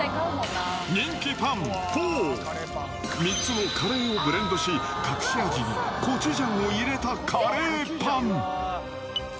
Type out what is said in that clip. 人気パン４、３つのカレーをブレンドし、隠し味にコチュジャンを入れたカレーパン。